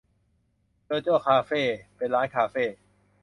โจโจ้คาเฟ่ เป็นร้านกาแฟ